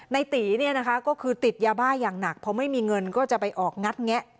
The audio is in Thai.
ในตีเนี่ยนะคะก็คือติดยาบ้าอย่างหนักพอไม่มีเงินก็จะไปออกงัดแงะ